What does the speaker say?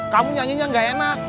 kamu nyanyinya gak enak